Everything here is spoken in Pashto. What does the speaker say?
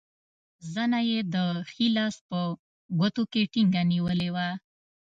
زنه یې د ښي لاس په ګوتو کې ټینګه نیولې وه.